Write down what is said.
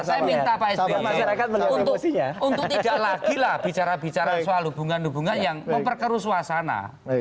saya minta pak sby masyarakat untuk tidak lagi lah bicara bicara soal hubungan hubungan yang memperkeru suasana